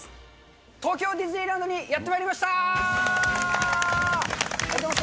東京ディズニーランドにやってまいりました。